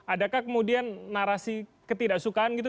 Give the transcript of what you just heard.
adakah kemudian narasi ketidaksukaan gitu